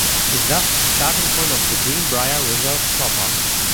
It is thus the starting point of the Greenbrier River proper.